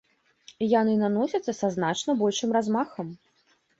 Яны наносяцца са значна большым размахам.